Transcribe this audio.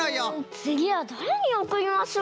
つぎはだれにおくりましょうか？